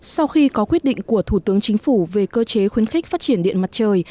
sau khi có quyết định của thủ tướng chính phủ về cơ chế khuyến khích phát triển điện mặt trời